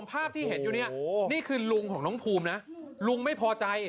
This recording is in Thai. ภาพที่เห็นอยู่เนี่ยนี่คือลุงของน้องภูมินะลุงไม่พอใจ